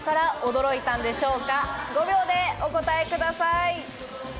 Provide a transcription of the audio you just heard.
５秒でお答えください。